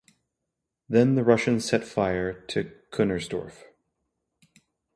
Then the Russians set fire to Kunersdorf.